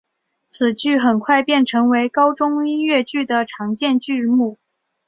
此剧很快便成为高中音乐剧的常见剧目。